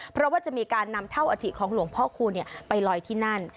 เพราะว่าจะมีการนำเท่าอธิของหลวงพ่อคูณไปลอยที่นั่น